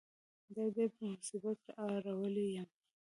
دا دې په مصیبت اړولی یم.